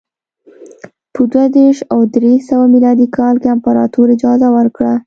په دوه دېرش او درې سوه میلادي کال کې امپراتور اجازه ورکړه